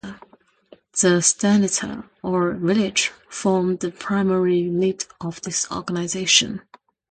The "stanitsa", or village, formed the primary unit of this organization.